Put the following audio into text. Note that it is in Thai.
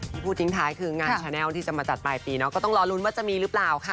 นี่พูดจริงในการชาแนลที่จะมาจัดปลายปีก็ต้องรอรุ้นว่าจะมีหรือเปล่า